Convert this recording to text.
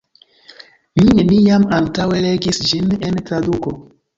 Mi neniam antaŭe legis ĝin en traduko.